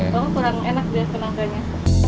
kalau kurang enak biar nangkanya